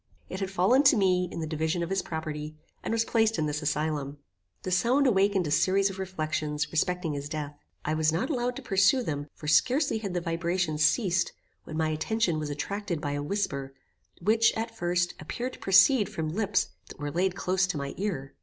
It had fallen to me, in the division of his property, and was placed in this asylum. The sound awakened a series of reflections, respecting his death. I was not allowed to pursue them; for scarcely had the vibrations ceased, when my attention was attracted by a whisper, which, at first, appeared to proceed from lips that were laid close to my ear.